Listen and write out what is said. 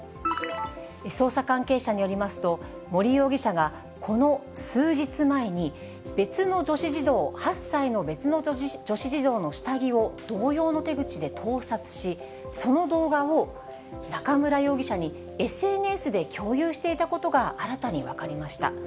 捜査関係者によりますと、森容疑者が、この数日前に、別の女子児童８歳の別の女子児童の下着を同様の手口で盗撮し、その動画を中村容疑者にＳＮＳで共有していたことが新たに分かりました。